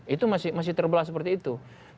itu masih terbelah seperti itu